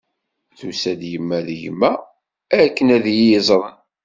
Tusa-d yemma d gma akken ad iyi-iẓren.